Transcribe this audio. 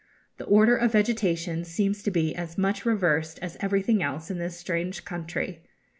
The order of vegetation seems to be as much reversed as everything else in this strange country.